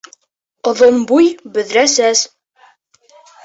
Оҙон буй, бөҙрә сәс!